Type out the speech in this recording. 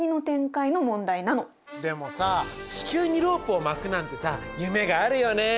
でもさ地球にロープを巻くなんてさ夢があるよね。